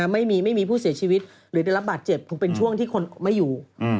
ไม่มีผู้เสียชีวิตหรือได้รับบาดเจ็บคงเป็นช่วงที่คนไม่อยู่